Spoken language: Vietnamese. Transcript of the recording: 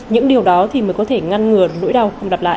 những điều đó thì mới có thể ngăn ngừa nỗi đau không lặp lại